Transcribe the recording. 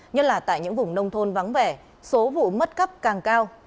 nhất là tại những vùng nông thôn vắng vẻ số vụ mất cắp càng cao